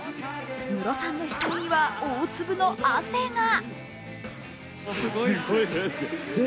ムロさんの額には大粒の汗が！